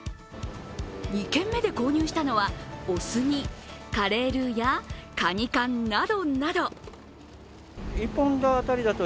２軒目で購入したのは、お酢にカレールーやかに缶など。